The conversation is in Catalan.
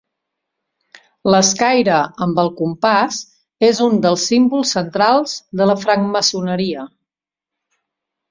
L'escaire amb el compàs és un dels símbols centrals de la francmaçoneria.